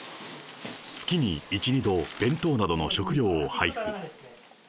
月に１、２度弁当などの食料を配布。